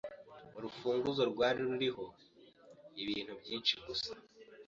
Urufunguzo rwari ruriho ibintu byinshi gusa